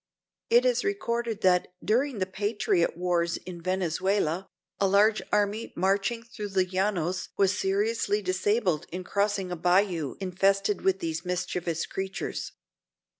It is recorded that, during the patriot wars in Venezuela, a large army marching through the Llanos was seriously disabled in crossing a bayou infested with these mischievous creatures.